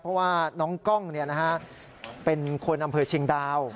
เพราะว่าน้องกล้องเป็นคนอำเภอเชียงดาว